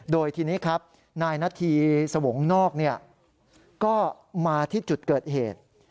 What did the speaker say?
โดยทีนี้ครับนายนาธีสวงนอกก็มาที่จุดเกิดเหตุ